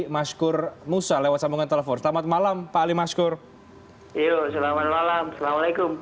mashkur musa lewat sambungan telepon selamat malam pak ali mashkur selamat malam assalamualaikum